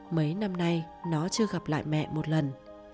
mấy năm nay nó chưa gặp lại mẹ một lần